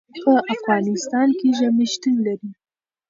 په افغانستان کې ژمی شتون لري.